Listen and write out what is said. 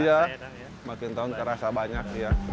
iya makin tahun kerasa banyak